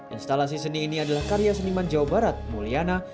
instalasi seni ini adalah karya seniman jawa barat mulyana